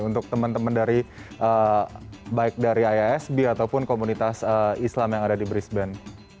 untuk teman teman dari baik dari iasb ataupun komunitas islam yang ada di brisbane